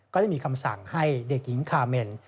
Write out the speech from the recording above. ได้มีคำสั่งให้เด็กหญิงคาเมน